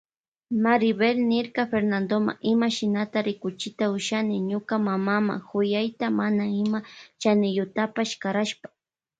Maribel niyrka Fernandoma ima shinata rikuchita ushani ñuka mamama kuyayta mana ima chaniyuktapash karashpa.